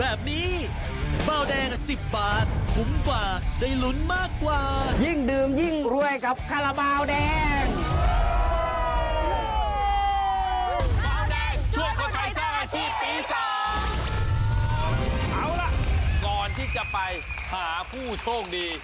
เอาล่ะก่อนที่จะไปหาผู้โชคดี